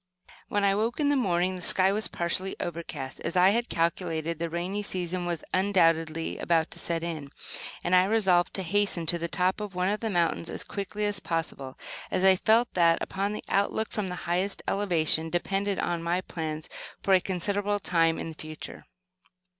When I awoke in the morning the sky was partially overcast. As I had calculated, the rainy season was undoubtedly about to set in, and I resolved to hasten to the top of one of the mountains as quickly as possible, as I felt that, upon the outlook from the highest elevation depended my plans for a considerable time in the future.